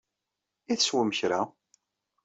I teswem kra?